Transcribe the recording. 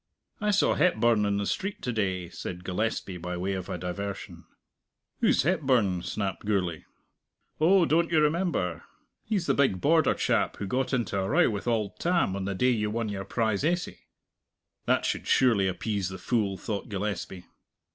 "I saw Hepburn in the street to day," said Gillespie, by way of a diversion. "Who's Hepburn?" snapped Gourlay. "Oh, don't you remember? He's the big Border chap who got into a row with auld Tam on the day you won your prize essay." (That should surely appease the fool, thought Gillespie.)